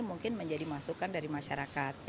mungkin menjadi masukan dari masyarakat